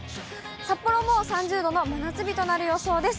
札幌も３０度の真夏日となる予想です。